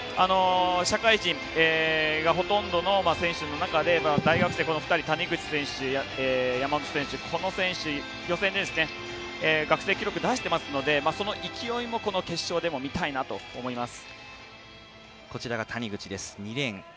社会人がほとんどの選手の中で大学生２人谷口選手、山本選手この選手、予選で学生記録を出してますのでその勢いも、この決勝でも見たいなと思います。